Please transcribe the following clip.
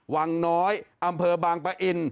วังน้อยอำเภอบางปะอิน